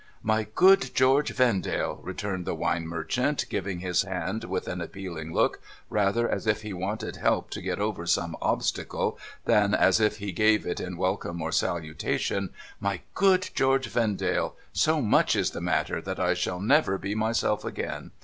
' My good George Vendale,' returned the wine merchant, giving his hand with an appeahng look, rather as if he wanted help to get over some obstacle, than as if he gave it in welcome or salutation :* my good George Vendale, so much is the matter, that I shall never be myself again.